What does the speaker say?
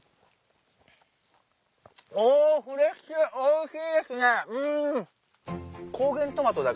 おフレッシュおいしいですね。